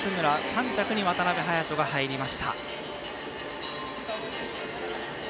３着に渡辺隼斗が入りました。